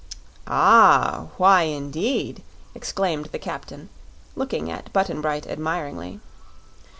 "Ah, why indeed?" exclaimed the captain, looking at Button Bright admiringly.